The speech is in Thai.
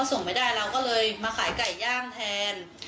ส่งไม่ได้เราก็เลยมาขายไก่ย่างแทน